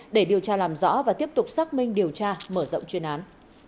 để điều tra làm rõ và tiếp tục xác minh điều tra mở rộng chuyên án